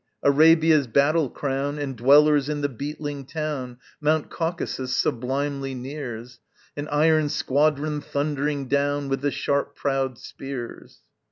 Arabia's battle crown, And dwellers in the beetling town Mount Caucasus sublimely nears, An iron squadron, thundering down With the sharp prowed spears.